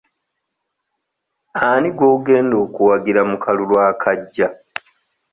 Ani gw'ogenda okuwagira mu kalulu akajja?